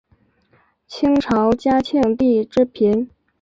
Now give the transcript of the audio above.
清朝嘉庆帝之嫔。